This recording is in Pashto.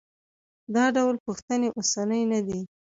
دا ډول پوښتنې اوسنۍ نه دي.